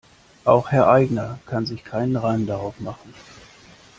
Auch Herr Aigner kann sich keinen Reim darauf machen.